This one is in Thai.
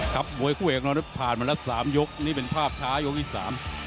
ครับมวยคู่เอกเราเนิดผ่านแล้ว๓ยกนี่เป็นเฝ้าท้ายกที่สาม